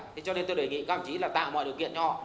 thế cho nên tôi đề nghị các đồng chí là tạo mọi điều kiện cho họ